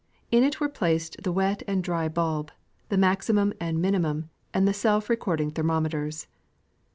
In it were placed the wet and dry bulb, the maximum and minimum, and the self recording thermometers.